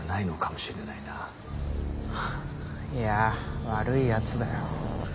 いや悪い奴だよ。